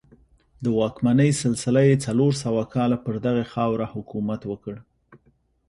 د واکمنۍ سلسله یې څلور سوه کاله پر دغې خاوره حکومت وکړ